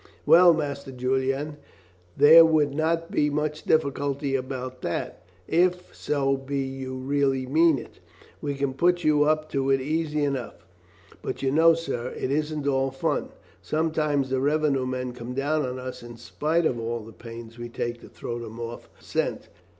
"Well, Master Julian, there would not be much difficulty about that, if so be you really mean it. We can put you up to it easy enough, but you know, sir, it isn't all fun. Sometimes the revenue men come down upon us in spite of all the pains we take to throw them off the scent.